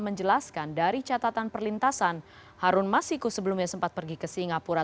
menjelaskan dari catatan perlintasan harun masiku sebelumnya sempat pergi ke singapura